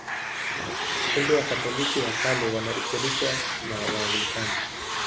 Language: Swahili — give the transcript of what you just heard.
Kumbe Wakatoliki wa Kale wana ushirika na Waanglikana.